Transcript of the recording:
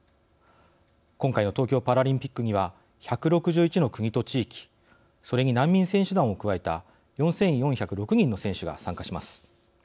今回の東京パラリンピックには１６１の国と地域それに難民選手団を加えた４４０６人の選手が参加します。